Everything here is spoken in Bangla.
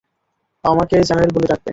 আমাকে জেনারেল বলে ডাকবে!